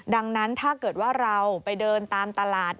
ดังนั้นถ้าเกิดว่าเราไปเดินตามตลาด